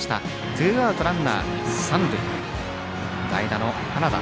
ツーアウトランナー、三塁で代打の花田。